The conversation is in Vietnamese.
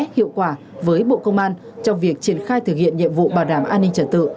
hiệu quả với bộ công an trong việc triển khai thực hiện nhiệm vụ bảo đảm an ninh trật tự